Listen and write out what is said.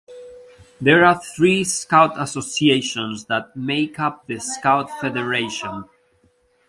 There are three Scout Associations that make up the Scout Federation.